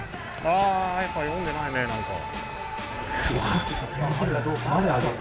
あやっぱ読んでないね何か。